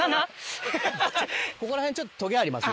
ここら辺ちょっとトゲあります？